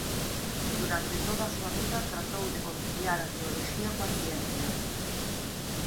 Durante toda a súa vida tratou de conciliar a teoloxía coa ciencia.